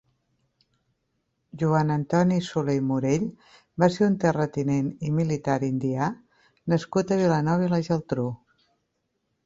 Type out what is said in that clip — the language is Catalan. Joan Antoni Soler i Morell va ser un terratinent i militar indià nascut a Vilanova i la Geltrú.